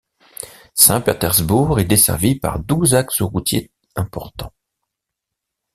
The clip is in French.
Saint-Pétersbourg est desservie par douze axes routiers importants.